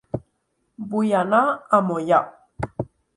Vull anar a Moià